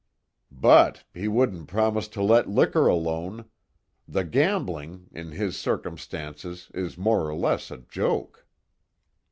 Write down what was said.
"But he wouldn't promise to let liquor alone. The gambling in his circumstances is more or less a joke."